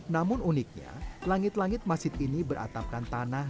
namun uniknya langit langit masjid ini beratapkan tanah